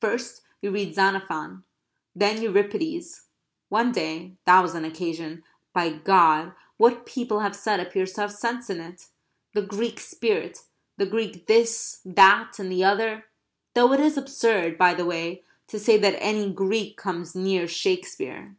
First you read Xenophon; then Euripides. One day that was an occasion, by God what people have said appears to have sense in it; "the Greek spirit"; the Greek this, that, and the other; though it is absurd, by the way, to say that any Greek comes near Shakespeare.